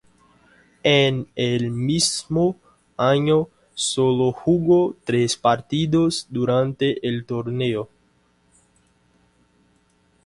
En el mismo año, sólo jugó tres partidos durante el torneo.